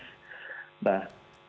nah itu sudah berhasil